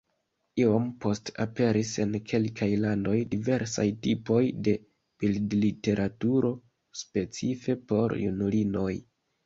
Iom poste aperis en kelkaj landoj diversaj tipoj de bildliteraturo specife por junulinoj.